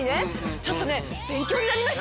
ちょっと！